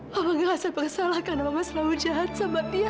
mama ngerasa bersalah karena mama selalu jahat sama dia